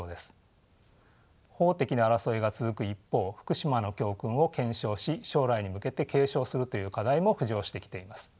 法的な争いが続く一方福島の教訓を検証し将来に向けて継承するという課題も浮上してきています。